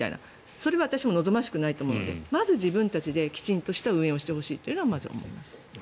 それは私も望ましくないと思うのでまず自分たちできちんとした運営をしてほしいと思います。